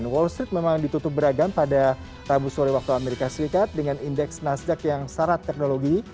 wall street memang ditutup beragam pada rabu sore waktu amerika serikat dengan indeks nasdaq yang syarat teknologi